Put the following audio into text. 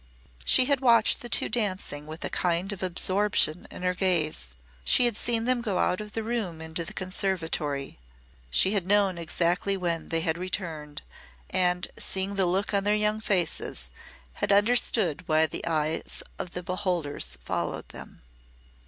She had watched the two dancing with a kind of absorption in her gaze. She had seen them go out of the room into the conservatory. She had known exactly when they had returned and, seeing the look on their young faces, had understood why the eyes of the beholders followed them.